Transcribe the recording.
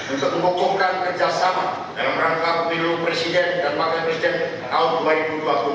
untuk mengukuhkan kerjasama dalam rangka pilu presiden dan wakil presiden tahun dua ribu dua puluh empat